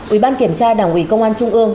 ủy ban kiểm tra đảng ủy công an trung ương